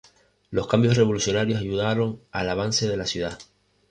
Los cambios revolucionarios ayudaron al avance de la ciudad.